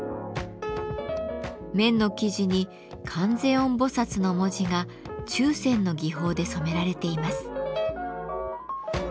綿の生地に「観世音菩薩」の文字が注染の技法で染められています。